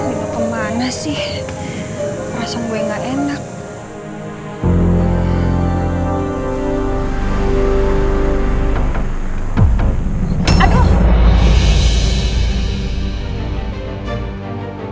ini kemana sih